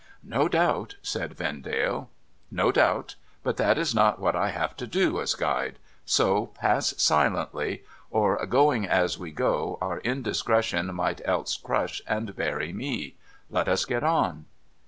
' No doubt,' said Vendale. ' No doubt. But that is not what I have to do, as Guide. So pass silently. Or, going as we go, our indiscretion might else crush and bury me. Let us get on